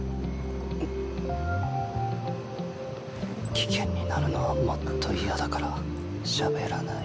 危険になるのはもっと嫌だからしゃべらない。